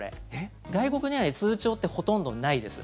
外国には通帳ってほとんどないです。